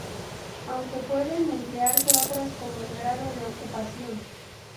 Aunque pueden emplearse otras como el grado de ocupación.